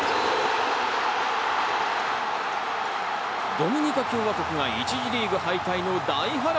ドミニカ共和国が１次リーグ敗退の大波乱。